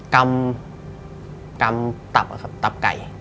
กำตับไก่